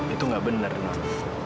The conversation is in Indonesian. itu gak bener non